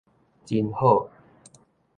真好